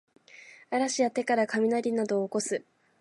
嵐や手からかみなりなどをおこす